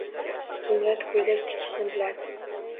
Zumrad ko'ylak tikishni biladi